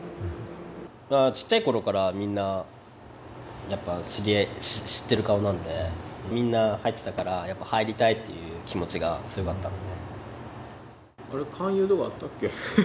ちっちゃい頃からみんな知ってる顔なのでみんな入ってたからやっぱ入りたいっていう気持ちが強かったので。